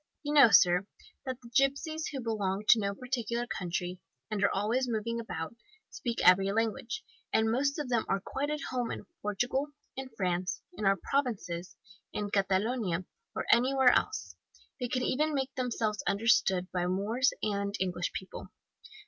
You know, sir, that the gipsies, who belong to no particular country, and are always moving about, speak every language, and most of them are quite at home in Portugal, in France, in our Provinces, in Catalonia, or anywhere else. They can even make themselves understood by Moors and English people.